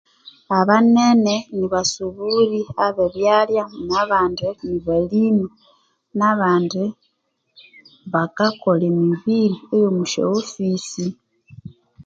Abanene nibasuburi abe byalya nabandi nibalimi nabandi bakakolha emibiri eyomo sya offisi